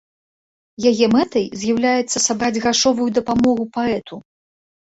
Яе мэтай з'яўляецца сабраць грашовую дапамогу паэту.